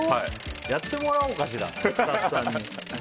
やってもらおうかしらスタッフさんに。